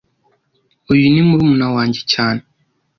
Uyu ni murumuna wanjye cyane